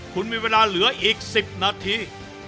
คุณมีเวลาเหลืออีก๑๐นาที